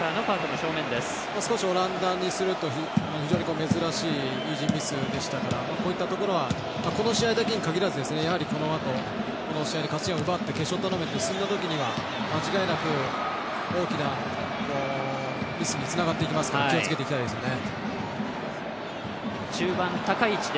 少しオランダにすると珍しいイージーミスでしたからこういったところはこの試合だけにかぎらずやはり、このあとこの試合で勝ち点を奪って決勝トーナメント進んだ場合には間違いなく大きなミスにつながっていきますから気をつけていきたいですよね。